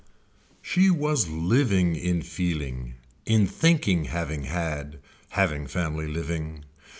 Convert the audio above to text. She was living in feeling, in thinking having had, having family living.